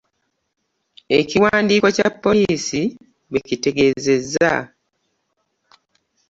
Ekiwandiiko kya poliisi bwe kitegeezezza.